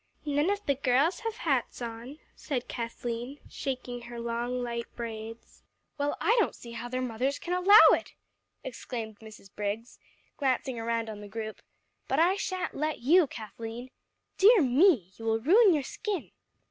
"None of the girls have hats on," said Kathleen, shaking her long light braids. "Well, I don't see how their mothers can allow it," exclaimed Mrs. Briggs, glancing around on the group, "but I sha'n't let you, Kathleen. Dear me! you will ruin your skin.